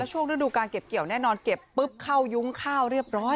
ช่วงฤดูการเก็บเกี่ยวแน่นอนเก็บปุ๊บเข้ายุ้งข้าวเรียบร้อย